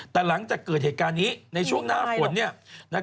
แต่หลังจากเกิดเหตุการณ์นี้ในช่วงหน้าฝน